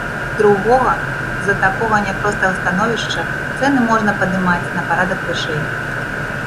З другога, з-за такога няпростага становішча цэны можна падымаць на парадак вышэй.